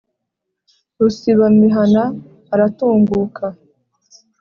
Rusibamihana aratunguka.